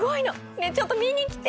ねえちょっと見に来て！